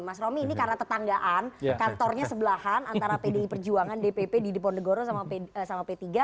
mas romi ini karena tetanggaan kantornya sebelahan antara pdi perjuangan dpp didi ponegoro sama p tiga